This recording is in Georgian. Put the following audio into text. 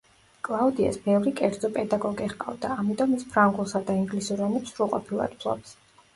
კლაუდიას ბევრი კერძო პედაგოგი ჰყავდა, ამიტომ, ის ფრანგულსა და ინგლისურ ენებს სრულყოფილად ფლობს.